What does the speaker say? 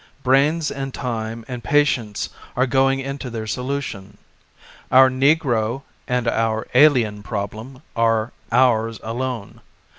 Brains and time and pa tience are going into their solution. Our negro and our alien problem are/| ours alone.